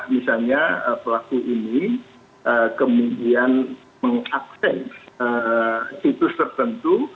misalnya pelaku ini kemudian mengakses situs tertentu